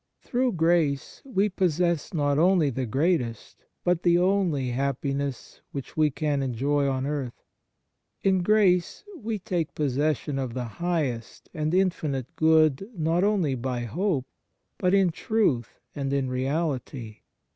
Through grace we possess not only the greatest, but the only, happiness which we can enjoy on earth. In grace we take possession of the highest and infinite good not only by hope, but in truth and in reality.